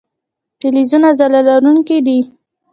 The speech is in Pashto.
فلزونه ځلا لرونکي دي.